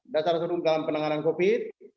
dasar dasar hukum dalam penanganan covid sembilan belas